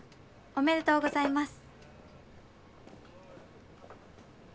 おめでとうございます。